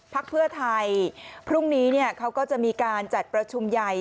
พักเพื่อไทยพรุ่งนี้เขาก็จะมีการจัดประชุมใหญ่